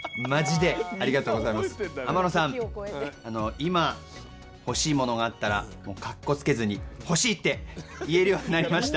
今、欲しいものがあったらもうかっこつけずに欲しいって言えるようになりました。